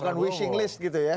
bukan washing list gitu ya